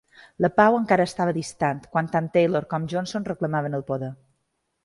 La pau encara estava distant quan tant Taylor com Johnson reclamaven el poder.